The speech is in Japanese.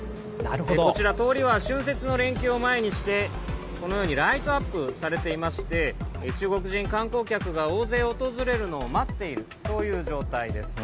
こちら通りは春節の連休を前にしてこのようにライトアップされていまして中国人観光客が大勢訪れるのを待っているそういう状態です。